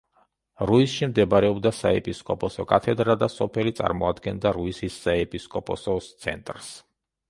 რუისში მდებარეობდა საეპისკოპოსო კათედრა და სოფელი წარმოადგენდა რუისის საეპისკოპოს ცენტრს.